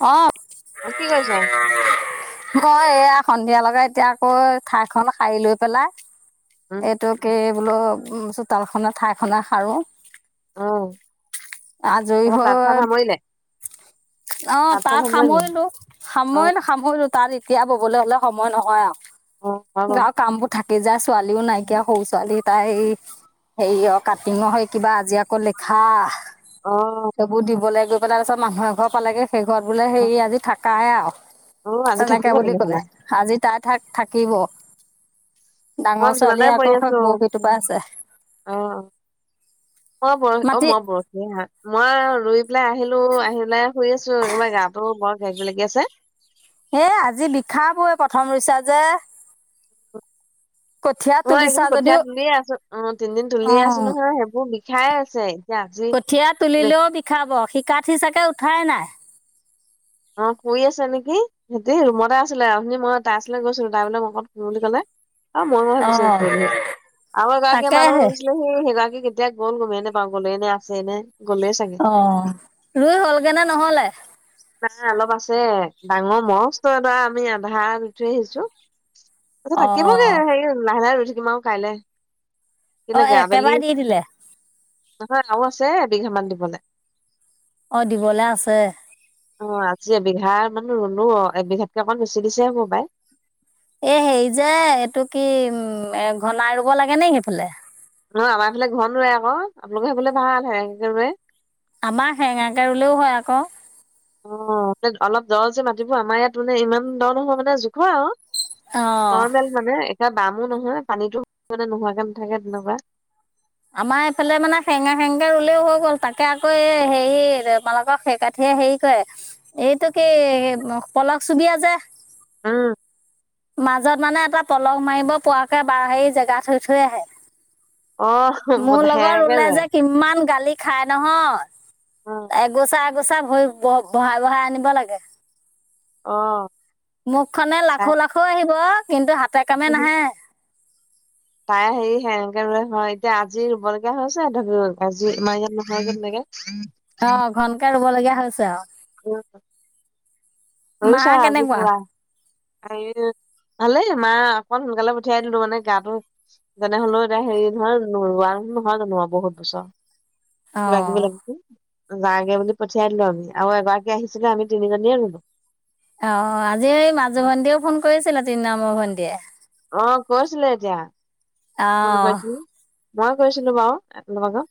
অ' অ' কি কৈছা? মই এয়া সন্ধিয়া লগে এতিয়া আকৌ ঠাইখন সাৰি লৈ পেলাই উম এইটো কি বোলো চোতাল খনা ঠাই খনা সাৰো আহ আজৰি হয় অ' তাঁত চাত তাত সামৰিলে সামৰিলো অ সামৰিলো সামৰিলো তাত পোৱা ববলৈ হ'লে সময় নহয় অ হয় বাৰু আৰু [unintelligible] কাম বোৰ থাকি যায়। ছোৱালীও নাইকিয়া সৰু ছোৱালী তাই হেৰি অ' কাটিং নহয় কিবা আজি ক লিখা অ' দিবলৈ গৈ পেলাই পাই তাৰ পিছত মানুহৰ ঘৰ পালেগে সেই ঘৰত বোলে অ সেৰি আজি থাকে আৰু অ আজি তেনেকে থাকিব বুলি ক'লে তেনেহলে আজি তাই থাক থাকিব। মই ডাঙৰ ছোৱালী বিচনাতে পৰি আকৌ খব আছো বৰশীটোৰপ উম, আছে অ অ' বৰী অ মাটি মই বৰশী হা মই ৰুই পেলাই আহিলো আহি পেলাই শুই আছো একোবাৰে গাটো বৰ কিবা কিবি লাগি আছে। এ আজি বিষাবয় প্ৰথম ৰুইচা যে কঠীয়া অ' তুলিছা এদিন কঠীয়া যদিও তুলিয়েই আছো অ' তিনদিন অ তুলিয়ে আছো নহয় সেইবোৰ বিষাই আছে। আজি কঠীয়া বেছি তুলিলেও বিষাব শিকাথি সি চাগে উঠাই নাই। অ, শুই আছে নেকি, সিহতি ৰুমতে আছিলে। অথনি মই তাইৰ ওচৰলৈ গৈছিলো তাই বোলে মই অকন খুম বুলি ক'লে। অ' মই ম-ভাবিছো পলহ আৰু এগৰাকীয়ে মালত তাকেহে ৰুৰিছিলেহি সেই সেইগৰাকী এতিয়া গ'ল গ'ম এ নেপাওঁ গ'লে এ, নে আছে এ, নে। গ'লেই চাগে। অ' ৰুই হ'লগে, নে নহ'লে। নাই অলপ আছে। ডাঙৰ মজ ত এটা ধৰা আমি আধা দি থৈ আহিছো। তাতে অ থাকিবগে হেৰি লাহে, লাহে ৰই থাকিম আৰু কাইলে। অ' কেলেকে আবেলি একেবাৰে দি দিলে। নহয়, আৰু আছে এবিঘামান দিবলৈ। অ' দিবলে আছে। অ' আজি এবিঘা মানে ৰুলো অ, এবিঘাতকে অকমান বেছি দিছে হববাই। এ, হেৰি যে এইটো কি উম, এ, ঘনাই ৰুব লাগে নে সেইফালে। ন, আমাৰ এইফালে ঘন ৰুৱে আক আপোনালোকে সেইফালে ভাল সেয়ে ৰুৱে। আমাৰ হেঙাকে ৰুলেও হয় আকৌ। অ' অলপ দৰ যে মাতিব আমাৰ ইয়াত মানে ইমান দৰ নহয় মানে জোখৰ আৰু। অ নৰ্মেল মানে। এ, বামো নহয়, পানীতো মানে নোহোৱাকে নাথাকে তেনেকুৱা। আমাৰ এইফালে মানে সেঙা, সেঙে ৰুলেও হৈ গ'ল তাকে আকৌ এই হেৰি তোমালোকৰ সেইকাঠি হেৰি কয়, এইটো কি পলক চুবিয়া যে। উম, মাজত মানে এটা পলস মাৰিব পোৱাকৈ বাৰ হেৰি জেগা থৈ, থৈ আহে। অ', মোৰ লগত সেনেকে ৰুলে ৰুৱে, যে কিমান গালি খাই উম, নহয়। এগোচা, এগোচা ভৰি ব বহাই, বহাই আনিব লাগে। আহ। মুখখনে লাখৌ, লাখু আহিব কিন্তু হাতে, কামে নাহে। তাই হেৰি সেনেকে ৰুৱে হয়, এতিয়া আজি ৰুব লগীয়া হৈছে ধৰিও আজি ইাৰ ইয়াত নহয় যেনেকে। অ' ঘনকে ৰুব লগীয়া হৈছে আৰু। মা ৰছ আজি কেনেকুৱা পুৰা [inaudible] ভালেই মা অকণ সোনকালে পঠিয়াই দিলো মানে গাটো যেনে হ'লেও এতিয়া হেৰি ধৰা নোৱাৰ। নহয় জনোৱা বহুত বচৰ অ কিবা, কিব লাগিছিল। যাগে বুলি পঠিয়াই দিলো আমি, আৰু এগৰাকী আহিছিলে আমি তিনিজনীয়ে ৰুলো। অ, আজি এই মাজু ভণ্টীয়েও ফোন কৰিছিলে তিন নামৰ ভণ্টিয়ীয়ে। অ, কৈছিলে এতিয়া। ফোন আহ। কৰিছিলে, মই কৈছিলো বাৰু একেলগত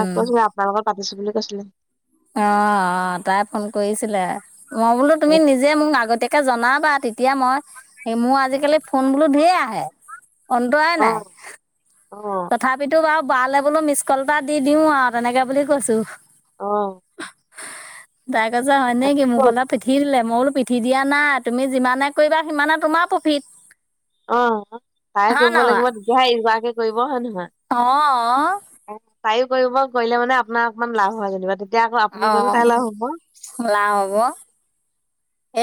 তাক কৈছো আপোনাৰ লগত পাতিছো বুলি কৈছিলে। অ' তাই ফোন কৰিছিলে। মই বোলো তুমি নিজে মোক আগতীয়াকে জনাম। পা, তেতিয়া মই মোৰ আজিকালি ফোন বোলু ধঢেৰ আহে। অন্তৰাই অ নাই অ তথাপিতো বাৰু। বালে, বোলো মিছকল এটা দি দিও আৰু তেনেকে বুলি কৈছো। আহ। দাই কজা হয়, নে কি মোক অলপ পিঠি দিলে। মোলো পিঠি দিয়া নাই, তুমি যিমানে কৰিবা সিমানে তোমাৰ প্ৰফিট। অ' তাই হয় কৰিব নহয়? লাগিব দুহাই এগৰাকৰাকে কৰিব হয়ে, নহয়। অ'। তায়ো কৰিব, কৰিলে মানে আপোনাৰ অকনমান লাভ হয় যেনিবা। এতিয়া আকৌ আপুনি কৰিম অ', তাই লভ হ'ব। লাভ হ'ব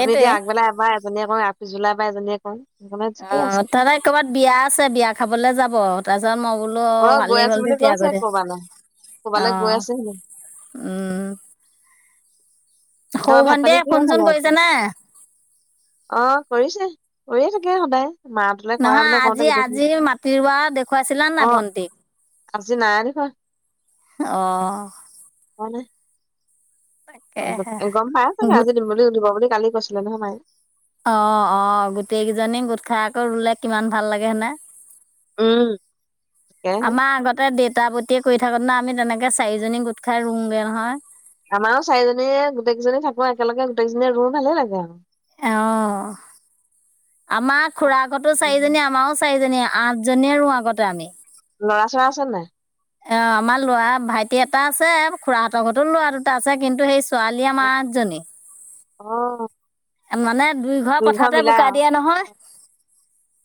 আমি এতিয়া আগবেলা এবাৰ এজনীয়ে কওঁ আৰু পিছবেলা এবাৰ এজনীয়ে কওঁ। অ, ঠিকেই আছে তাতে কৰ'ৰবাত বিয়া আছে বিয়া খাবলৈ যাব। তাৰপিছত মই ফু'ল অ গৈ ভালে আছো হ'ল বুলি তেতিয়া কৈছে আগৰে। কৰবালৈ কৰবালৈ গৈ আহ, আছে হেনো উ। দাবা ভাত-পানি কিহে চোন খালে আজি। কৰিছে নে? অ' কৰিছে। কৰিয়ে থাকে সদায়। মাহঁতলে কৰা নহয় মানে, আজি কৰোতে আজি গোটেইখিনি কথা, মাটি ৰোৱা দেখুৱাইছিলা নাই ভন্টিক? অ'। আজি নাই দেখা। অ'। নাই। তাকেহে [unintelligible] গম পাই চাগে, গোট আজি দিম বুলি উঠিব বুলি কালি কৈছিলে নহয় মাই। অ' অ' গোটেই কেইজনী গোট খাই আকৌ ৰুলে কিমান ভাল লাগে হয় নাই। উম, তাকেহে আমাৰ আগতে ডেট গোটা পতিয়ে কৰি থাকোঁতে না আমি তেনেকে চাৰিজনী গোট খাই ৰুওঁগৈ নহয়। আমাৰো চাৰিজনীয়ে গোটেইজনী থাকো একেলগে। গোটেইজনীয়ে ৰুওঁ ভালেই লাগে আৰু। অ', আমাৰ খুৰা ঘৰতো চাৰিজনী। আমাৰও চাৰিজনীয়ে। আঠজনীয়ে ৰুওঁ আগতে আমি। ল'ৰা চৰা আছে নাই? অ', আমাৰ লৰা ভাইটি এটা আছে। খুৰাহঁতৰ ঘৰতো ল'ৰা দুটা আছে। কিন্তু, সেই ছোৱালী অ', আমাৰ আঠজনী। অ'। মানে দুই ঘৰ পথাৰতে বোকা দিয়ে নহয়।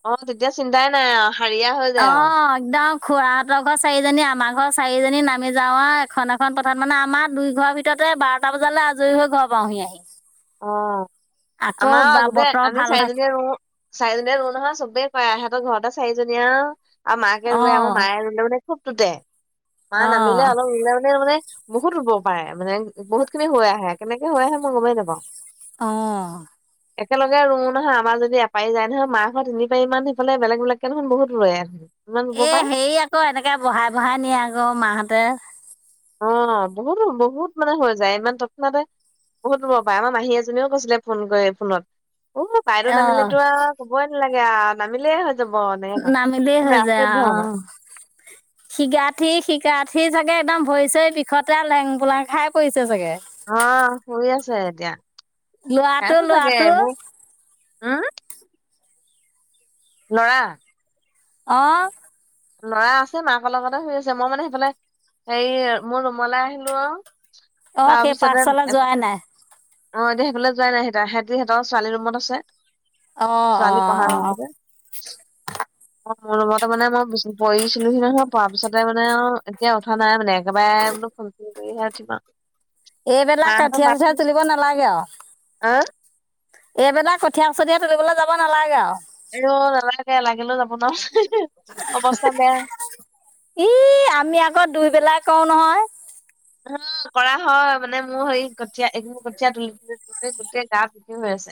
অ', তেতিয়া চিন্তাই নাই আৰু হাৰিয়া হৈ যায় আৰু। অ', একদম খুৰাহঁতৰ ঘৰ চাৰিজনী, আমাৰ ঘৰ চাৰিজনী। নামি যাওঁ আৰু এখন এখন পথাৰত। মানে আমাৰ দুই ঘৰৰ ভিতৰত বাৰটা বজালৈ আজৰি হৈ ঘৰ পাওঁহি আহি। অ', আকৌ আমাৰ বা আগতে বতৰ আমি ভাল থাক চাৰিজনীয়ে ৰুওঁ। চাৰিজনীয়ে ৰুওঁ নহয়। চবে কয় আও, সিহেঁত তহঁতৰ ঘৰতে চাৰিজনীয়ে আও। আৰু মাকে ৰুৱে। আমাৰ অ', মায়ে ৰুলে মানে খুব টোতে। মা নামালে, অ', অলপ ৰুলে মানে অ', মানে বহুত ৰুব পাৰে। মানে, বহুত খিনি হৈ আহে। কেনেকে হৈ আহে, মই গমেই নাপাওঁ। অ'। একেলগে ৰুওঁ নহয়। আমাৰ যদি এপাৰি যায় নহয়, মাহঁত তিনি পাৰি মান সিফালে বেলেগ বেলেগকে দেখুন বহুত ৰুৱে। ইমান ৰুব এ', পাই হেৰি আকৌ, এনেকে বহাই বহাই নিয়ে আকৌ, মাহঁতে। অ', বহুতো বহুত মানে হৈ যায়। ইমান তৎক্ষণাতে। বহুত দূৰৰ পৰায়। আমাৰ মাহী এজনীও কৈছিলে, ফোন কৰি। ফোনত। উম, বাইদেউ অ', নামিলেতো আৰু ক'বই নালাগে আৰু। নামিলে হ'ল। নামিলেই হৈ যায় [unintelligible] আৰু ধৰনৰ। অ'। শিগাঠি, শিগাঠি চাগে একদম ভৰি চৰি বিষতে লেং পোলং খাই পৰিছ চাগে। অ', শুই আছে এতিয়া। ল'ৰাটো খাইছো চাগে ল'ৰাটো এইবোৰ। উম। লৰা। অ'। লৰা আছে। মাকৰ লগতে শুই আছে। মই মানে সেইফালে, হেৰি মোৰ ৰুমলৈ আহিলো আৰু। অঁ সেই তাৰপিছতে পাঠশালা [unintelligible] যোৱাই নাই অ', এতিয়া সেইফালে যোৱাই নাই হেতা। সেহঁতি, সিহঁতৰ ছোৱালী ৰুমত আছে। অঁ ছোৱালী অঁ পঢ়া অঁ ৰূমটোতে। অ', মোৰ ৰূমতে মানে মই বিচ পৰিছিলোহি নহয়। পৰা পিছতে মানে আৰু এতিয়া উঠা নাই মানে। একেবাৰে [unintelligible] কৰিহে উঠিম আও। এইবিলাক কঠিয়া চঠিয়া তুলিব নালাগে আহ আৰু। এইবিলাক কঠীয়া চঠিয়া তুলিবলৈ যাব নালাগে আৰু। ইও, নালাগে। লাগিলেও যাব নোৱাৰো। অৱস্থা বেয়া। ই আমি আকৌ দুইবেলাই কওঁ নহয়। অ', কৰা হয়। মানে মোৰ হেৰি কঠীয়া [unintelligible] কঠীয়া তুলিবলৈ গৈ গোটেই গা পুতি হৈ আছে। ছে।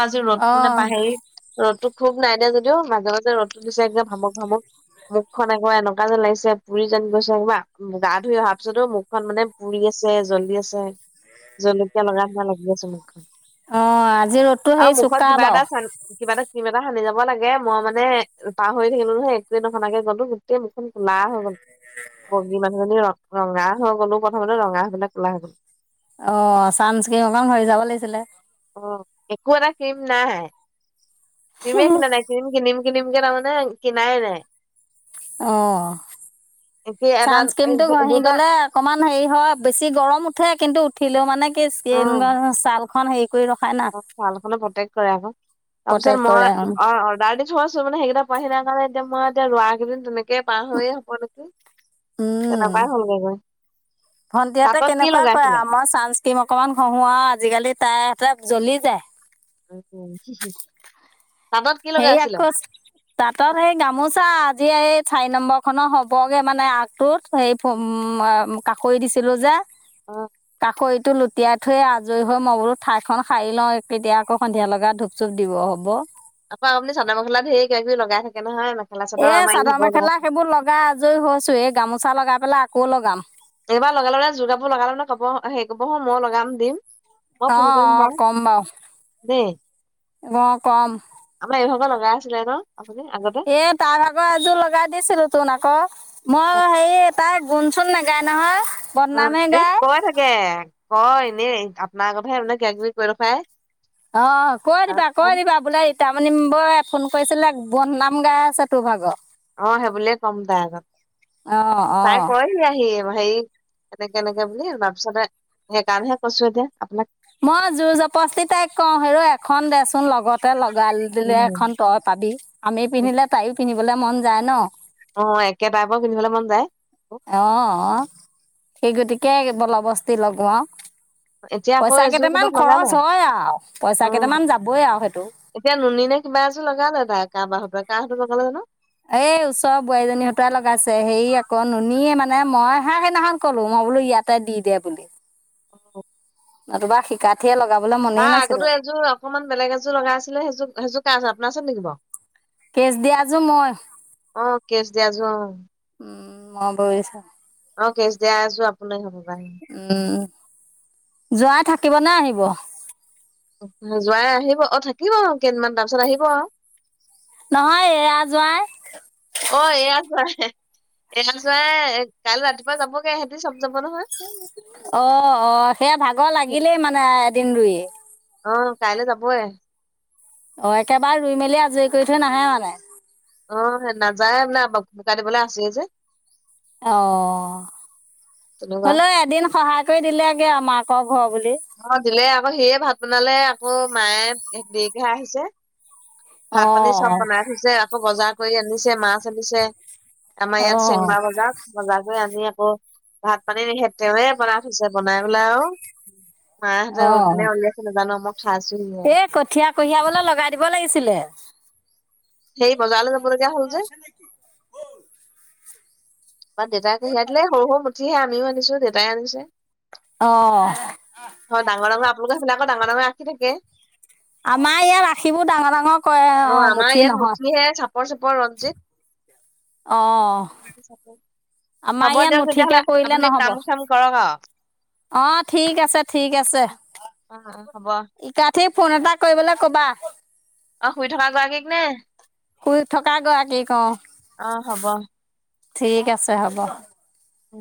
আজি ৰ'দটো অঁ নেপাই হেৰি, ৰ'দটো খুব নাই দিয়া যদিও, মাজে মাজে ৰ'দটো দিছে। একদম ভমক ভমক মুখখন একেবাৰে এনেকুৱা যেন লাগিছে। পুৰি যেন গৈছে। উআ, গা ধুই অহা তাৰপিছতো মুখখন মানে পুৰি আছে, জ্বলি আছে। জলকীয়া লগা যেন লাগি আছে মুখখন। অঁ আজি ৰ'দটো আৰু হেৰি মুখত চোকা কিবা এটা বাৰু চ কিবা এটা [unintelligible] এটা সানি যাব লাগে মই মানে পাহৰি থাকিলো নহে একোৱে নশনাকে গলো গোটেই মুখখন কোলা হৈ গল বগী মানুহজনী ৰ ৰঙা হৈ গ'লো প্ৰথমতে ৰঙা হৈবিলাক কোলা হৈ গলো। অ' চানস্কিম অকমান ঘহি যাব লাগিছিলে। অ' একো এটা ক্ৰীম নাই ক্ৰীমে কিনা নাই ক্ৰীম কিনিম। কি নিমকে ন মানে কিনাই নাই। অ' একে এটা চানঞ্চ কেম ঘ [unintelligible] আহি দুটা গলে অকমান হেৰি হয় বেছি গৰম উঠে কিন্তু উঠিলেও মানে কি ছাল। চালখনো প্ৰতেক কৰে আকৌ তাৰপিছত প্ৰটেক্ট কৰে মই অ' অৰ্ডাৰ দি থৈ আছো মানে সেইকেইটা পাই সিনা কাৰণ এতি মই এতিয়া লৰা কেইদিন তেনেকে পাৰ হৈ হ'ব দেকি তেনেকুৱাই হয়গে গৈ ভণ্টিয়তে তাঁতত কি কেনেকুৱা কয় লগাইছিলে? আৰু মই চানস্ক্ৰীম অকনমান খহো আৰু আজিকালি তাৰ এ জ্বলি যায় আৰু সেই আকৌ তাঁতত সেই গামোচা আজি এই চাৰি নম্বৰ খনৰ হ'বগে মানে আগটোত সেই উ কাষৰি দিছিলো যে। অ', তাকো। টো লুটিয়াই থৈয়ে আজৰি হৈ মই বোলো ঠাইখন খাৰি লওঁ কেতিয়া আকৌ সন্ধিয়া লগা ধূপ চুপ দিব হ'ব আকৌপনি চাদৰ মেখােৰ কিবা কিবি লগাই থাকে নহয়। মেখেলা এ আমাৰ চাদৰ ইহঁতৰ লগাই। মেখেলা সেইবোৰ লগা আজৰি হৈছো এই গামোচা লগাই পেলাই আকৌ লগাম। এইবাৰ লগালেে যোৰ কাপোৰ লগালো নে কাপব সেই কাপোৰ হ ময় লগাম দিম। মই ফোন অঁ কৰিম বাৰু, দেই। ৰ [unintelligible] কম ৰাছেলদ [unintelligible] এ তাৰ আগৰ এযোৰ লগাই দিছিলোতোন আকৌ, মই হেৰি তাই গুণচোন নেকি গ নহয় অ', বদনামহে এ গায় কৈ থাকে কয় এনেই, আপোনাৰ আগতহে মানে কিবা কিবি কৰি ৰখাই অ', কৈ দিবা কৈ দিবা বোলে তাৰমানান বই ফোন কৰিছিলে বদনাম গাই আছে তোৰভাগৰ অ', সেইবুলিয়ে ক'ম তাই আগত, অঁ তাই অঁ কয়হি আহি হেৰি এনেকে এনেকে বুলি তাৰপিছতে সেইকাৰণেহে কৈছো এতিয়া আপোনাক মই জোৰ জপষ্টি তাইক কওঁ হেৰ' এখন দেচোন লগ লগতে লগাই দিলে উম, এখন তই পাবি আমি পিন্ধিলে তাইও পিন্ধিবলৈ মন যায় ন'। অ', একে টাইপৰ পিন্ধিবলৈ মন যায়। অ', অ', সেই গতিকে বল বস্তি লগোৱা এতিয়া আকৌ পইচা এযোৰ কেইটামান ক'ৰবাত লগালে খৰচ হয় আৰু পইচা উম কেইটামান যাবই আৰু সেইটো। এতিয়া নুনী নে কিবা এযোৰ লগালে তাই কাবাহঁতোৱাই কাহঁততে লগালে জানো। এ ওচৰৰ বোৱাৰীজনী সতাই লগাইছে হেৰি আকৌ নুনীয়ে মানে মইহে সেইদিনাখন ক'লো মই বোলো ইয়াতে দি দে বুলি। আহ নতুবা শিকাঠিয়ে লগাব আহ আগতো এযোৰ অকমান বেলেগ এযোৰ লগাইছিলে সেইযোৰ সেইযোৰ কাৰ ওচৰত আপোনাৰ ওচৰত নেকি বাৰু? কেচ দিয়াজোৰ মই, অ কেচ দিয়াযোৰ অ উম। মই বৈছো। অ', কেচ দিয়া আছো আপোন হ'ব উম, যোৱাই থাকিব নে আহিব? যোৱাই আহিব অ', থাকিব কেইদিনমান তাৰ পিছত আহিব আৰু নহয় এয়া জোঁৱাই অ', এইয়া এয়া যোৱাই কাই ৰাতিপুৱা যাবগৈ সেহঁতি চব যাব নহয় অ', অ', সেয়া ভাগৰ লাগিলেই মানে এদিন ৰুই অ', কাইলৈ যাবয়ে। অ', একেবাৰে ৰুই মেলি আজৰি কৰি থৈ নাহে মানে। অ', নাযায় আ নে ভুমকা [unintelligible] দিবলৈ আছে যে অ', তেনেকুৱা হ'লেও এদিন সহায় কৰি দিলেগে আ মাকক ঘৰ বুলি। অ দিলে আকৌ সেয়ে ভাত বনালে আকৌ মায়ে দেৰিকেহে আহিছে ভাত পানী চব অঁ বনাই থৈছে আকৌ বজাৰ কৰি আনিছে মাছ আনিছে আমাৰ ইয়াত অঁ চেংমা বজা বজাৰ কৰি আনি ভাত পানী নিখে তেৱে বনাই থৈছে বনাই পেলাই আৰু মাহঁতে অঁ কোনে ওলিয়াইছে নাজানো মই খাইছোহি আওঁ। এই কঠীয়া কঢ়িয়াবলৈ লগাই দিব লাগিছিলে। সেই বজাৰলৈ যাব লগগীয়া হ'ল যে বা দেউতাই কঢ়িয়াই দিলে সৰু সৰু মুঠিহে আমিও আনিছো দেউতাইও আনিছে। অঁ হয় ডাঙৰ ডাঙৰ আপোনলোকৰ বিলাকৰ ডাঙৰ ডাঙৰ ৰাখি থাকে আমাৰ ইয়াত আখিবোৰ ডাঙৰ ডাঙৰ কৰে অ' আমাৰ মুঠি ইয়াত নহয়। মুঠিহে [unintelligible] ৰঞ্জিত। অহ। আমাৰ হ'ব ইয়াত দিয়ক তেতিয়াহ'লে মুঠিকে কৰিলে আপুনি নহব। কাম চাম কৰক আৰু অ' ঠিক আছে ঠিক আছে। অ' হ'ব। সি ফোন এটা কৰিবলৈ ক'বা। অ শুই থকা গৰাকীক নে শুই থকা গৰাকি ক অ'। অ', হ'ব। ঠিক আছে হ'ব। অ'।